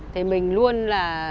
thì mình luôn là